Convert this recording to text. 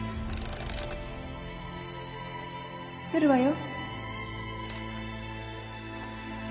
撮るわよ